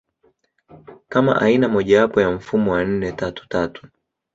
kama aina mojawapo ya mfumo wa nne tatu tatu